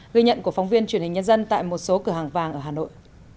ghi nhận của phóng viên truyền hình nhân dân tại một số cửa hàng vàng ở hà nội